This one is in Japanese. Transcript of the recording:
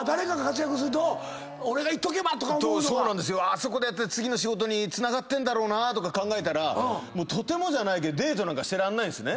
あそこで次の仕事につながるだろうなとか考えたらとてもじゃないけどデートなんかしてらんないんですね。